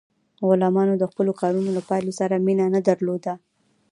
غلامانو د خپلو کارونو له پایلو سره مینه نه درلوده.